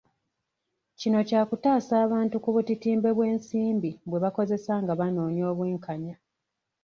Kino kyakutaasa abantu ku butitimbe bw'ensimbi bwe bakozesa nga banoonya obwenkanya